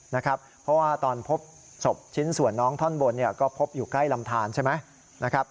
เพราะว่าตอนพบศพชิ้นส่วนน้องท่อนบนก็พบอยู่ใกล้ลำทานใช่ไหมนะครับ